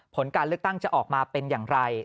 ผลการเลือกตั้งจะออกมาเป็นอย่างไร